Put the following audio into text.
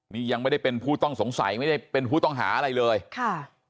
นี่ยังไม่ได้เป็นผู้ต้องสงสัยไม่ได้เป็นผู้ต้องหาอะไรเลยค่ะ